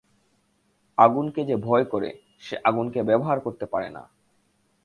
আগুনকে যে ভয় করে সে আগুনকে ব্যবহার করতে পারে না।